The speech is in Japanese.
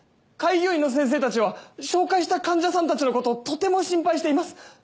開業医の先生たちは紹介した患者さんたちのことをとても心配しています。